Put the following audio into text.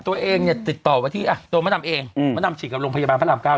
ตัวเองติดต่อว่าตัวมานำเองมานำฉีดกับโรงพยาบาลพระราม๙อยู่แล้ว